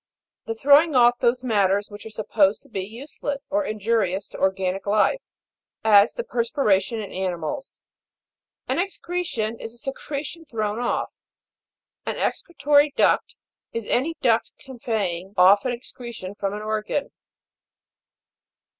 The throwing off those matters which are supposed to be useless, or injurious to organic life, as the perspiration in animals. An excretion is a secretion thrown off. An excretory duct, is any duct conveying off an excretion from an organ.